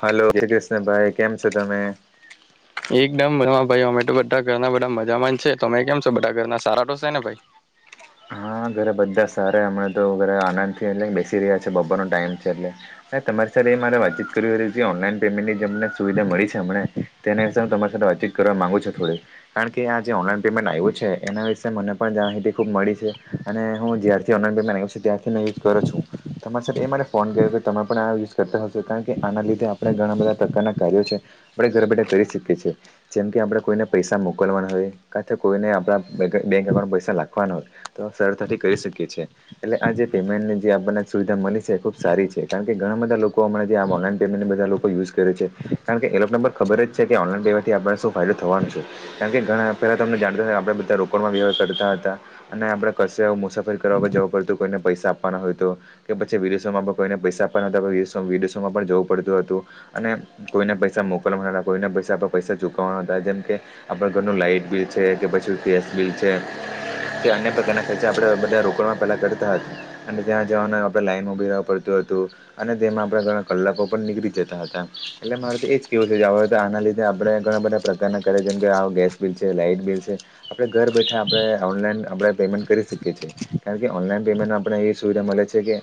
Hello Kishan [unintelligible] ભાઈ કેમ છો તમે? એકદમ મજામાં ભાઈ અમે તો ઘરના બધા મજામાં જ છીએ. તમે કેમ છો બધા સારા જ છો ને ભાઈ? હા. ઘરે બધા સારા હમણાં તો ઘરે આનંદથી એટલે બેસી રહ્યા છે બપોર નો ટાઈમ છે એટલે. તમારે એ મારે વાતચીત ઓનલાઈન પેમેન્ટ ની તમને સુવિધા મળી છે અમને તેને તમારી સાથે વાતચીત કરવા માગુ છો થોડું કારણ કે આ જે ઓનલાઈન પેમેન્ટ આવ્યું છે એના વિશેે મને પણ માહિતી ખૂબ મળી છે. અને હું જ્યારથી ઓનલાઇન પેમેન્ટ છું ત્યારથી યુઝ કરો છું તમારી સાથે એ માટે ફોન કર્યો કે તમે પણ યુઝ કરતા હશે કારણ કે આના લીધે આપણે ઘણા બધા પ્રકારના કાર્યો છે આપણે ઘર બેઠા કરી શકીએ છે. જેમ કે આપણે કોઈને પૈસા મોકલવાના હોય કા તો કોઈને આપણા બેંક એકાઉન્ટ પૈસા લખવાના હોય. તો સરળતાથી કરી શકીએ છીએ એટલે આ જે પેમેન્ટને જે આપણને સુવિધા મળી છે એ ખુબ સારી છે કારણ કે ઘણા બધા લોકો હણાં ઓનલાન પેમેન્ટ બધા લોકો યુઝ કરે છે. કારણ કે એ લોકો ને પણ ખબર જ છે કે ઓનલાઈન પેવાથી [unintelligible] આપ શું ફાયદો થવાનો છે? કારણ કે ઘણા પેલા તમને જાણતા આપણે બધા રોકાડમાં વ્યવહાર કરતા હતા. અને આપડે કશેય મુસાફરી કરવા જવું પડતું કોઈને પૈસા આપવાના હોય તો કે પછી વિદેશોમાં કોઈને પૈસા દેશ વિદેશો માં પણ જવું પડતું હતું અને કોઈને પૈસા મોકલવા કોઈને પૈસા પૈસા ચુકવા થાય જેમ કે આપણા ઘરનું લાઈટબિલ છે કે પછી ગેસ બિલ છે. તે અન્ય ઘણા ખર્ચા આપણે બધા રોકડમાં પેલા કરતા હતા અને ત્યાં જવાનું આપને ને લાઈન ઉભી રહેવા પડતું હતું. અને તેમાં આપડા ઘણા કલાકો પણ નીકળી જતા હતા એટલે મારે તો એજ કેવુ છે કે અવે તો આના લીધે આપણે ઘણા બધા પ્રકારના ઘરે જેમ કે ગેસ બિલ છે, લાાઈટ બિલ છે, આપણે ઘર બેઠા આપણે ઓનલાઈન [unintelligible] આપણે પેમેન્ટ કરી શકીએ છીએ કારણ કે ઓનલાઈન પેમેન્ટને આપણને એવી સુવિધા મળે છે કે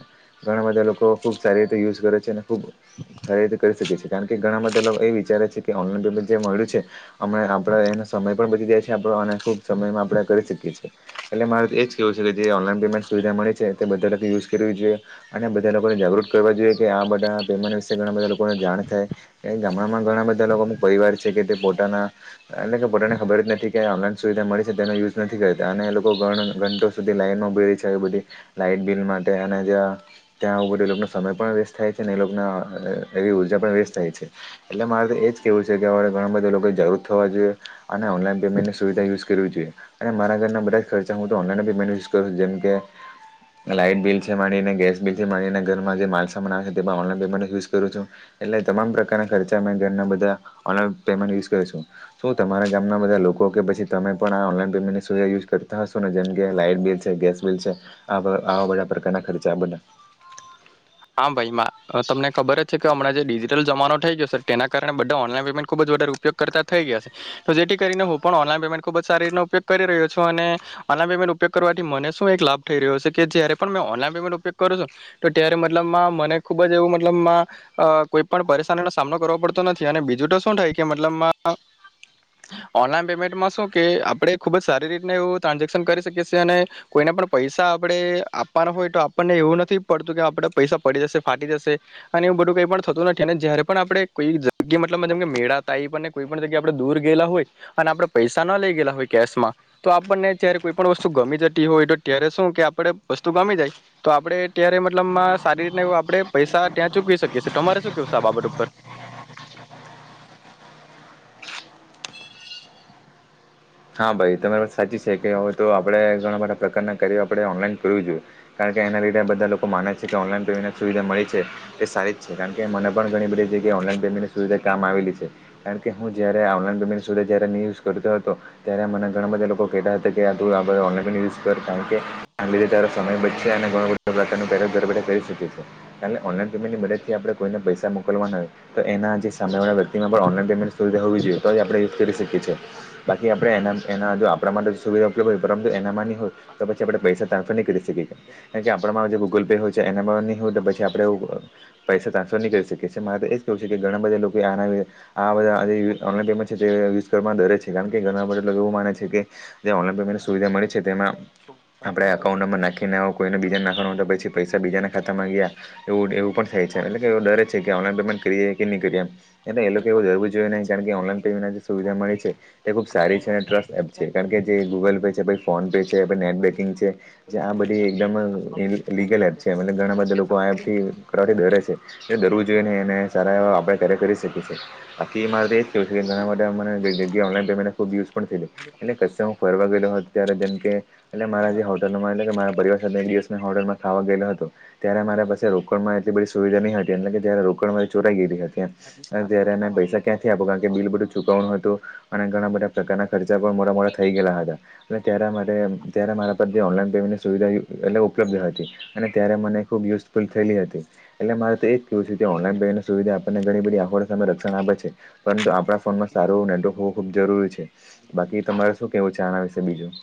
ઘણા બધા લોકો ખૂબ સારી રીતે યુઝ કરે છે અને-ખૂબ સારી રીતે કરી શકીયે છે કારણ કે ઘણા બધા લોકો એ વિચારે છે કે ઓનલાઈન પેમેન્ટ [unintelligible] જે મળ્યું છે અમે આપણે એનો સમય પણ બચી જાય છે આપણોને ખુબ સમય આપણે કરી શકીએ છે. એટલે મારું એ જ કેવું છે કે જે ઓનલાઈન પેમેન્ટ સુવિધા મળે છે. તે બધા લોકો યુઝ કરવી જોઈએ અને બધા લોકોને જાગૃત કરવા જોઈએ કે આ બધા પેમા [unintelligible] વિશે ઘણા બધા લોકોને જાણ થાય ગામડામાં ઘણા બધા લોકો અમુક પરિવાર છે. પોતાના એટલે કે પોતાને ખબર જ નથી કે ઓનલાઇન સુવિધા મળી તેનો યુઝ નથી કરતા અને લોકો ઘણો ઘંટો સુધી લાઈન માં ઊભી રઈ છે આવી બધી લાઈટ બિલ માટે અને જ ત્યાં આવું પણ એ લોકોના સમય પણ વેસ્ટ થાય છે અને તે લોકોના ઉર્જા પણ વેસ્ટ થાય છે. એટલે મારે એ જ કેહેવું છે હવે ઘણા બધા લોકો જાગૃત થવા જોઈએ અને ઓનલાઈન પેમેન્ટની સુવિધા યુઝ કરવી જોઈએ અને મારા ઘરના બધા જ ખર્ચા હુ તો ઓનલાઈન પેમેન્ટ જ કરું છુ જેમ કે લાઈટ બિલ છે, માડીને ગેસબિલ છે, માડીને ઘરમાં જે માલસામાન આવે છે, તે પણ ઑનલાઇન પેમેન્ટ યુઝ કરું છુ. એટલે તમામ પ્રકારના ખર્ચા અમે ઘરના બધા ઓનલાઈન પેમેન્ટ યુઝ કરીશું. શું તમારા ગામના બધા લોકો કે પછી તમે પણ આ ઓનલાઇન પેમેન્ટ ની સુવિધા યુઝ કરો. ત્રાંસો ને જેમ કે લાાઈટ બિલ છે, ગેસ બિલ છે, આ આવા બધા પ્રકારના ખર્ચા બધા [inaudible] હા, ભાઈ મા તમને ખબર જ કે હમણાં જે ડિજિટલ જમાનો થઈ ગયો છે તેના કારણે બધા ઓનલાઈન પેમેન્ટ ખુબ જ વધારે ઉપયોગ કરતા થઈ ગયા છે. તો જે કરીને હું પણ ઓનલાન પેમેન્ટ ખુબ જ સારી રીતનો ઉપયોગ કરી રહ્યો છું અને ઓનલાઇન પેમેન્ટ ઉપયોગ કરવાથી મને શુ એક લાભ થય રહ્યો છે કે જ્યારે પણ મેં ઑનલાઇન પેમેન્ટ ઉપયોગ કરું છું તો ત્યારે મતલબમાં મને ખુબ જ એવુ મતલબમાં કોઈ પણ પરેશાની નો સામનો કરવો પડતો નથી. અને બીજું તો શું થાય કે મતલબમાં ઓનલાઈન પેમેન્ટમાં શું કે આપણેે ખુબ જ સારી રીતને એવું ટ્રાન્જેક્શન કરી શકી એ છીએ અને કોઈ પણ પૈસા આપડે આપવાના હોય તો આપણને એવું નથી પડતું કે આપણે પૈસા પડી જશે ફાટી જશે અને એવું બધું કઈ પણ થતું નથી અને જયારે પણ આપણે કોઈ જગીએ મતલબમાં જેમ કે મેળા કોઈ પણ જગ્યા આપણે દૂર ગયેલા હોય અને આપણેે પૈસા ન લઈ ગયેલા હોય કેશ માં તો આપણને ત્યારે કોઈ પણ વસ્તુ ગમી જતી હોય તો ત્યારે શું કે આપડ વસ્તુ ગમી જાય તો આપડે ત્યારે મતલબ માં સારી રીતને એવું આપડે પૈસા ત્યાં ચૂકવી શકીએ તમારે શું કેવ છે આ બાબત ઉપર? [inaudible] હા ભાઈ તમારી સાચી છે, કેવે તો આપડે ઘણા બધા પ્રકારના કરી આપડે ઓનલાઈન કરું હા જોઈએ કારણ કે એના લીધે બધા લોકો માને છે કે ઓનલાઈન પેમેન્ટ સુવિધા મળી છે, તે સારી જ છે કારણ કે મને પણ ઘણી બધી જગ્યા ઓનલાઈન પેમેન્ટની સુવિધા કામ આવેલી છે કારણ કે હું જ્યારે ઓનલાઈન પેમેન્ટ સુધી જ્યારે ની યુઝ કરતો હતો. ત્યારે મને આપણે ઘણા જોવાનું બધા લોકો કહેતા હતા કે આતું આ બધા ઓનલાઈન યુઝ કર કારણ કે આવી રીતે તો સમય બચશે [unintelligible] થઈ શકે છે એટલે ઓનલાઈન પેમેન્ટની મદદથી આપણે કોઈને પૈસા મોકલવાના તો એના જે સામેવાળા વ્યક્તિના પણ ઓનલાન પેમેન્ટ સુવિધા હોવી જોઈએ તો આપણે યુઝ કરી શકીએ છીએ બા કે આપણે એના એના જો આપણા માટે સુવિધા ઉપલબ્ધ હોય પરંતુ એનામાંની હોય તો પછી આપણે પૈસા ટ્રાન્ફરની કરી શકીએ. કારણ કે, આપણામાં જે ગૂગલ પે હોય છે એનામાં ની હોયતો પછી આપડે પૈસા ટ્રાન્સફરની કરી શકીએ છે એજ કેવું છુકે ઘણા બધા લોકો [unintelligible] ઓનલાઇન પેમેન્ટ યુઝ કરવા ડરે છે કારણ ઘણા બધા તો એવું માને છેકે જે ઓનલાઇન પેમેન્ટ સુવિધા મળી છે તેમાં આપણે અઉન્ટ નંબર નાખીને કોઈને બીજાને નાખવા પછી પૈસા બીજાના ખાતામાં ગયા એવું એવું પણ થાય છે એટલે કે એ ડરે છેકે કરીએ કે ની કરીએ એમ એટલે એ લોકએ એવું દરવુ જોઈએ નય ઓનલાઇન પેમેન્ટ સુવિધા મળે છે. એ ખુબ સારી છે અને ટ્રસ્ટ એપ છે કારણ કે જે ગૂગલ પે છે ફોન પે છે નેટ બેન્કિંગ છે જે આ બધી [unintelligible] લીગલ એપ છે ઘણા બધા લોકો આ એપથી [unintelligible] કરે છે એ કરવું જોઈએ. સારા એવા આપણે કરી શકીએ છીએ બાકી મારે તો એ જ કેવું છે કે ઘણા બધા મને જગ્યા ઓનલાઈન ખૂબ યુઝ થઈ એટલે કસ્સે હું ફરવા ગયેલો હતો ત્યારે જેમ કે એટલે મારા જે હોટલમાં એટ પરિવાર સાથે એક દિવસમાં હોટલમાં ખાવા ગયેલો હતો ત્યારે મારા પાસે રોકડમાં એટલી બધી સુવિધા ની હતી એટલે કે જ્યારે રોકડમાં ચોરાઇ [inaudible] તયારે અમે પૈસા ક્યાંથી આપો કારણ કે બિલ બધું ચુકવનું હતું અને ઘણા બધા પ્રકારના ખર્ચા પણ મોટા મોટા થઈ ગયા હતા અને ત્યારે માટે ત્યારે મારા પર જે ઓનલાઈન પેમેન્ટની સુવિધા એટલે ઉપલબ્ધ હતી અને ત્યારે મને ખૂબ યુઝ પણ થયેલી હતી એટલે મારે તો એજ કેવું છેકે ઓનલાઈન પેની સુવિધા આપણને ઘણી બધી. [unintelligible] રક્ષણ આપે છે પરંતુ આપણા ફોનમાં સારો નેટવર્ક જરૂરી છે. બાકી તમારે શું કેવું આના વિશે બીજું?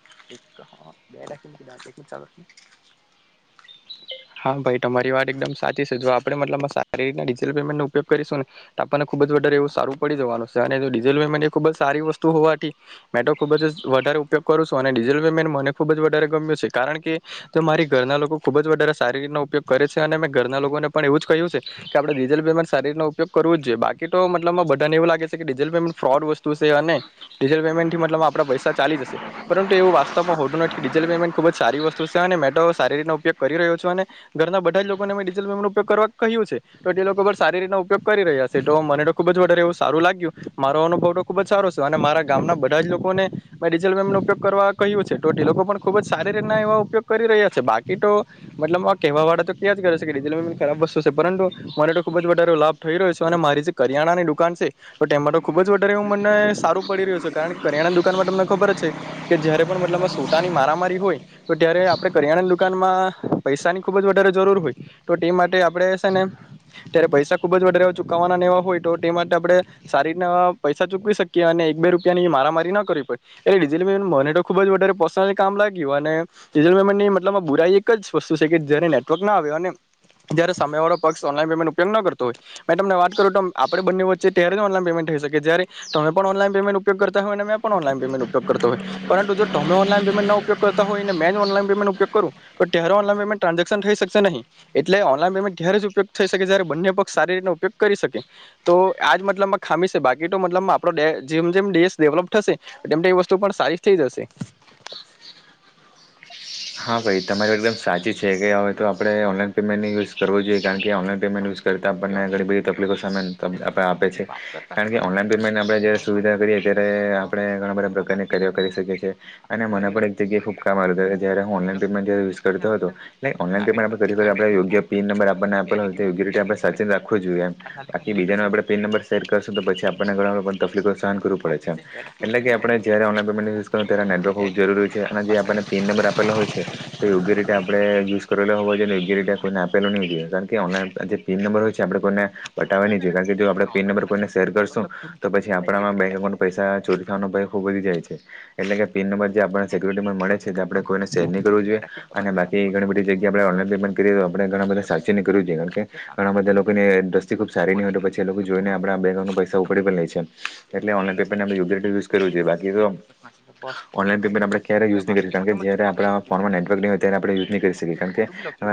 [unintelligible] [inaudible] હા, ભાઈ તમારી વાત એકદમ સાચી છે. જો આપણે મતલબમાં સારી રીતના ડિજિટલ પેમેન્ટનો ઉપયોગ કરીશું ને તો આપણને ખુબ જ એવું સારું પડી જવાનું છે અને ડીઝલ ખુબ જ સારી વસ્તુ હોવાથી મેતો ખુબ જ વધા ઉપયોગ કરું છું અને ડીઝલ પેમેન્ટ મને ખુબ જ વધારે ગમ્યું છે કારણ કે જો મારી ઘરના લોકો ખુબ જ વધારે સારી રીતના ઉપયોગ કરે છે અને મેં ઘરના લોકોને પણ એવું જ કહ્યું છે કે આપણે ડીઝલ પેમેન્ટ સારી રીતના ઉપયોગ બાકી તો મતલબ બધાને એવું લાગે છે ડિજિટલ પેમેન્ટ ફ્રોડ વસ્તુ છે અને ડિજિટલ પેમેન્ટથી આપ પૈસા ચાલી જશે પરંતુ એવ વાસ્વમાં હોતું નથી ડિજિટલ પેમેન્ટ ખુબ જ સારી વસ્તુ છે અને મેતો સારી રીતનો ઉપયોગ કરી રહ્યો છું અને ઘરના બધા જ લોકોને મે ડિજિટલ પેમેન્ટનો ઉપયોગ કરવા કહ્યું છે તો તે લોકો સારી રીતના ઉપયોગ કરી રહ્યા તો મને તો ખુબ જ વધારે એવું સારું લાગ્યું મારો અનુભવ તો ખુબ જ સારો છે અને મારા ગામના બધા જ લોકોને મેં ડિજટલ પેમેન્ટ ઉપયોગ કરવા કહ્યું છે તો તે લોકો પણ ખુબ જ સારી રીતના એવા ઉપયોગ કરી રહ્યા છે બાકી તો મતલબ આ કહેવા વાળા તો ક્યાં જ કરે છે કે ડીઝીટલ ખરાબ વસ્તુ છે પરંતુ મારે તો ખુબ જ વધારે લાભ થઈ રહ્યો છે. મારી જે કરિયાણાની દુકાન છે તો તે તો ખુબ જ વધારેવું મને સારું પડી રહ્યું છે કારણ કે કરિયાણાની દુકાન તમને ખબર છે કે જયારે પણ મતલબ સોટાની મારામારી હોય તો ત્યારે આપણે કરિયાણા દુકાનમાં પૈસાની ખુબ જ વધારે જરૂર હોય તો તે માટે આપડે છેને ત્યારે પૈસા ખુબ જ વધારે ચુકવ વા હોય તો તે માટે આપણે સારી રીતના પૈસા ચૂકવી શકીએ અને એક બે રૂપિયાની મારામારી ના કરવી પડે એ ડીઝલ મેન મને તો ખુબ જ વધારે પર્સનલ કામ લાગ્યું અને ડીઝલ મેનની મતલબ બુરાઈ એક એક જ વસ્તુ છેકે જયારે નેટવર્કના આવે અને જ્યારે સામેવાળો પક્ષ ઓનલાઈન પેમેન્ટ ઉપયોગ ન કરતો હોય મેં તમને વાત કરું તો આપણે બંને વચ્ચે ત્યારે ઓનલાઈન પેમેન્ટ થય શકે જ્યારે તમે પણ ઓનલાઈન પમેન્ટ ઉપયોગ કરતા હોય અને મેં પણ ઓનલાઇન પમેન્ટ ઉપયોગ કરતા હોય પરંતુ જો તમે ઓનલાઇન ઉપયોગ કરતા હોયને મે ઉપયોગ કરું. તો ત્યારે ઓનલાઈન પમેન્ટ ટાન્ઝેક્શન થય શકશે નહી એટલે ઓનલાઇન પેમેન્ટ ત્યારે જ ઉપયોગ થય શકે જયારે બંને પક્ષ સારી રીત ઉપયોગ કરી શકે તો આ જ મતલબમાં ખામી છે બાકી તો મતલબમાં આપણો જેમ જેમ દેશ ડેવલપ થશે. એમ તો એ વસ્તુ પણ સારી થેય જશે. [unintelligible] હા, ભાઈ તમારી એકદમ સાચી છેકે હવે તો આપણે ઓનલાઈન પેમેન્ટ યુઝ કરવો જોએ કારણ કે ઓનલાઈન પેમેન્ટ યુઝ કરતા આપણને ઘણી બધી તકલીફો સામે આપડે આપે છે કારણ કે ઓનલાઈન પેમેન્ટને આપણે જારે સુવિધા કરીએ ત્યારે આપણે ઘણા બધા પ્રકારની કરી શકે છે અને મને પણ એક જગ્યાએ ખુબ કામ આવ જયારે હું ઓનલાઈન પેમેન્ટ કરતો હતો ઓનલાઈન પેમેન્ટ આપડે U P I pin number આપણને આપે કયુંકી આપડે સાચન રાખવો જોઈએ એમ બાકી બીજા નો આપણે પીન નંબર સેર કરશું તો પછી આપણને ઘણા પણ તકલીફો સહન કરવું પડે છે એટલે કે આપણે જ્યારે ઓનલાઈન પેમેન્ટ યુઝ કરો ત્યારે નેટવર્ક બહુ જરૂરી છે અને જે આપને પીન નંબર આપેલો હોય છે યોગ્ય રીતે આપણે યુઝ કરે હોય યોગ્ય રીતે કોઈને આપે નહી જોઈએ કારણ કે ઓનલાઈન આપડા થી તીન નંબર હોય છે આપણે કોઈને બટાવવાની જો કારણ કે જો આપણે પિન નંબર કોઈને શેર કરશું તો પછી આપણામાં બેં નંબર પૈસા ચોરી થવાનો ભય ખુબ વધી જાય છે એટલે કે પિન નંબર જે આપ સિક્યુરિટીમાં મળે છે આપ કોઈને સેર નઈ કરવું જોઈએ અને બાકી ઘણી બધી જગ્યાએ આપણે ઓનલાઈન પેમેન્ટ કરીએ તો આપણે ઘણા બધા સાચવી કરવું જોઈએ કારણ કે ઘણા બધા લોકો ને દસ્તી ખૂબ સારી નહી હોય પછી એ લોકો જોઈને આપડા બેં નંબર પૈસા ઉપડી પણ લે છે એટલે ઓનલાઈન પેમેન્ટ યુઝ કરવું જોઈએ કી ઓનલાઈન પેમેન્ટ આપણે ક્યારે યુઝ ન કરી કારણ કે જ્યારે આપણા ફોન માં નેટવર્ક હોય ત્યારે આપણે યુઝ નહી કરી શકીએ કાર કે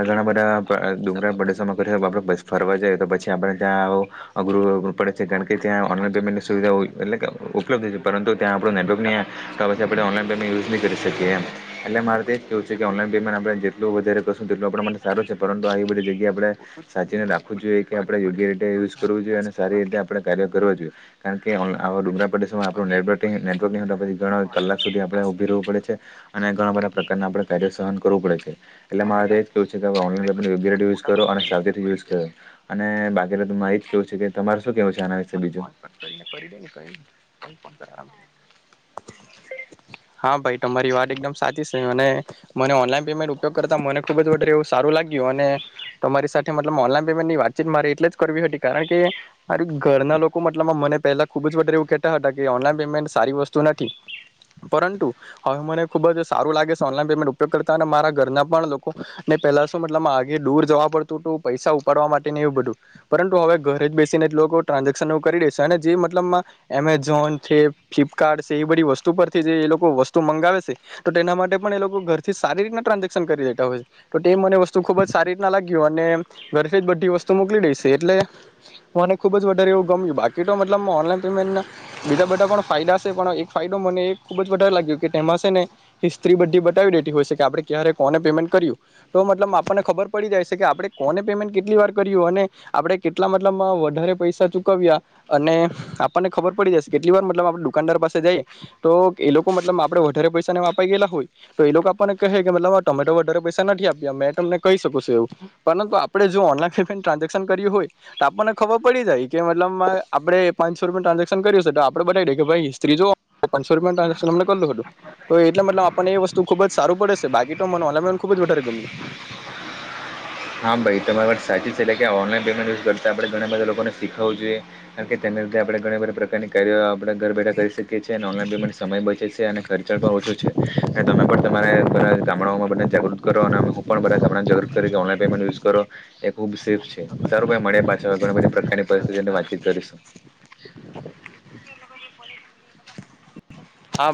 ઘણા બધા [unintelligible] ફરવા જાય તો પછી આ અઘરું પડે છે કારણ કે ત્યા ઓનલાઈન પેમેન્ટની સુવિધા એટલે ઉપલબ્ધ છે પરંતુ ત્યાં આપણો નેટવર્કની આપણે ઓનલાઈન પેમેન્ટ યુઝ ન કરી શકીએ એમ. એટલે મારે તો જ કેવું છે કે ઓનલાઈન પેમેન્ટ આપણે જેટલું વધારે કરશું તેટલો આપરા માટે સારું છે પરંતુ આવી બધી જગ્યાએ આપરે સાચવીને રાખવું જોઈએ કે આપણે યોગ્ય રીતે યુઝ કરવું જોઈએ અને સારી રીતે આપણે કાર્ય કરવા જોઈએ કારણ કે આવા ડુંગળ પ્રદેશોમાં આપણો નેટવર્ક નેટવર્ક પછી ઘણા કલાક સુધી આપણે ઉભી રહેવું પડે છે અને ઘ પ્રકાર ના કાર્ય સહન કરવું પડે છે એટલે મારે કેવું છે કે online U P I use કરો અને યુઝ કરે અને બાકી તો ઋતુ માં એ જ કેવું છે કે તમારે શું કહેવું છે આના વિશે બીજું [unintelligible] કરીને કરી દે ને [inaudible] કમ હા ભાઈ તમારી વાત એકદમ સાચી છે અને મને ઓનલાઈન પેમેન્ટ ઉપયોગ કરતા મને ખુબ જ વધારે એવું સારું લાગ્યું અને તમારી સાથે મતલબ ઓનલાઈન પેમેન્ટની વાત મારે એટલે જ કરવી હતી કારણ કે મારી ઘરના લોકો મતલબમાં મને પેલા ખુબ જ વારે એવું કેતા હતા કે ઓનલાઈન પેમેન્ટ સારી વસ્તુ નથી પરંતુ હવે મને ખુબ જ સારું લાગે છે ઓનલાઈન પેમેન્ટ ઉપયોગ કરતા મારા ઘરના પણ લોકોને પેલા શું મતલબ આગે દૂર જવા પડતું હતું પૈસા ઉપાડવા માટે એવ બધું પરતુ હવે ઘરે જ બેસીને લોકો ટ્રાન્ઝેક્શન એ કરી દેશે અને જે મતલબમાં એમેઝો પણ છે ફ્લિપકાર્ટ છે એ બધી વસ્તુ પરથી જે એ લોકો વસ્તુ મંગાવે છે તો તેના માટે પણ એ લોકો ઘર સારી રીતના ટ્રાન્ઝેક્શન કરી દેતા હોય તો એ મને વસ્તુ ખુબ જ સારી રીતના લાગ્યું અને ઘરથી જ બધી વસ્તુ મોકલી દઈશ એટલે હ મને ખુબ જ વધારે એવું ગમ્યું બાકી તો મતલબ ઓનલાઈન પેમેન્ટ બધા પણ ફાયદા છે પણ એક ફાયદો મને એ ખુબ જ વધારે લાગ્યો કે તેમાં છે ને હિસ્ટ્રી બધી બતાવી દેતી હોય છે આપડે ક્યારે કોને પેમેન્ટ કર્યું તો મતલબ આપણને ખબર પડી જાય છે કે આપડે કોને પેમેન્ટ કેટલી વાર કર્યું અને આપણે કેટલા મતલબમાં વધારે પૈસા ચુકવ્યા અને આપણને ખબર પડી જશે કેટલી વાર મતલબ આપ દુકાનદાર પાસે જઈએ તો એ લોકો મતલબ આપડે વધારે પૈસાને અપાઈ ગયેલા હોય તો એ લોકો પણ કહે કે મતલબ તમેતો વધારે પૈસા નથી આપ્યા મેં તમને કહી શકું છું એવું પરંતુ આપણે જો ઓનલાઈન ટ્રાન્ઝેક્શન કર્યું હોય તો આપણને ખબર પડી જાય કે મતલબ આપણે પાંચસો રૂપિયા ટ્રાન્ઝેક્શન કર્યું છે તો આપડે બનાવી દે કે ભાઈ સ્ત્રી જો પાંચસો રૂપિયા ટ્રાન્સેક્શન અમને કરલું હતું તો એટલે મતલબ આપને વસ્તુ ખુબ સારું પડે છે બાકી તો મન ઓનલાઈન પેમેન્ટ ખૂબ જ પણ વધારે ગમે હા ભાઈ તમારી વાત સાચી છે એટલે કે ઓનલાઈન પેમેન્ટ યુઝ કરતા આપણે ઘણા બધા લોકોને શીખવું જોઈએ કારણ કે તેના લીધે આપણે ઘણા બધા પ્રકાર કાર્યો આપણે ઘર બેઠા કરી શકીએ છીએ અને ઓનલાઇન પેમેન્ટ સમય બચી ખર્ચ પણ ઓછું છે અને તમે પણ તમારા બધા ગામડાઓમાં બને જાગૃત કરો અને હું પણ બધા ગામડા જરૂર કરે ઓનલા યુ કરો એ ખુબ સેફ છે સારું ભાઈ મળ્યા પાછા હવેણી બધી પ્રકારની પરિસ્થિતિની વાતચીત કરીશું [inaudible]